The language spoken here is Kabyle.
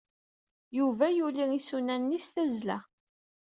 Yuba yuley isuann-nni s tazzla.